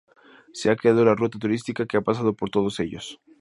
Se ha creado una ruta turística que pasa por todos ellos.